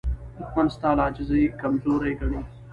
دښمن ستا له عاجزۍ کمزوري ګڼي